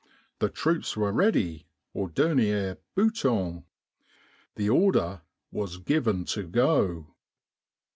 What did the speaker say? The troops were ready "au dernier bouton." The order was given to go.